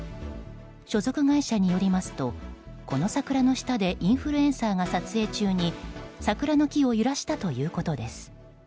所属会社によりますとこの桜の下でインフルエンサーが撮影中に桜の木を揺らしたということです。